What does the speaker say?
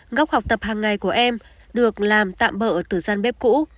góc học tập hàng ngày của em được làm tạm bỡ từ gian bếp cũ